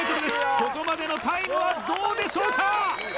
ここまでのタイムはどうでしょうか？